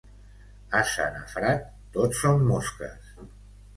Ase nafrat, tot són mosques.